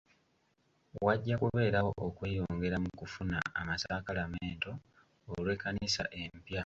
Wajja kubeerawo okweyongera mu kufuna amasakalamento olw'ekkanisa empya.